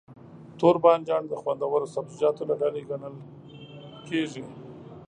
توربانجان د خوندورو سبزيجاتو له ډلې ګڼل کېږي.